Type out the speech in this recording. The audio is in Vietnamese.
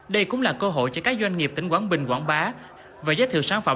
đây cũng là cơ hội cho các doanh nghiệp tỉnh quảng bình quảng bá và giới thiệu sản phẩm